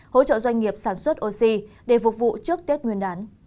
hỗ trợ doanh nghiệp sản xuất oxy để phục vụ trước tết nguyên đán